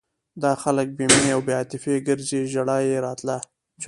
دا خلک بې مینې او بې عاطفې ګرځي ژړا یې راتله.